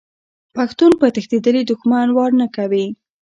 پښتون په تښتیدلي دښمن وار نه کوي.